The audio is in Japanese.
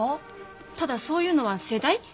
ただそういうのは世代？